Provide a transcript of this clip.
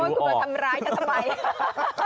โอ้ยกูกำลังทำร้ายกันทำไม